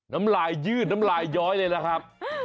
น้ำลายยืดน้ำลายย้อยเลยนะครับ